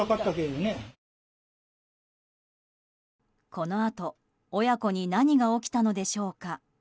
このあと親子に何が起きたのでしょうか。